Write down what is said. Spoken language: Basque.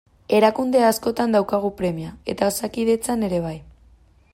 Erakunde askotan daukagu premia eta Osakidetzan ere bai.